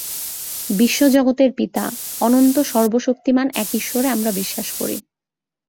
বিশ্বজগতের পিতা, অনন্ত সর্বশক্তিমান এক ঈশ্বরে আমরা বিশ্বাস করি।